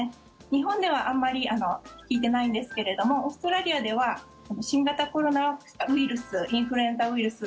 日本ではあんまり聞いてないんですけれどもオーストラリアでは新型コロナウイルスインフルエンザウイルス